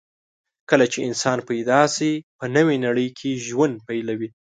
کله چې انسان پیدا شي، په نوې نړۍ کې ژوند پیلوي.